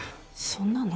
そんなの？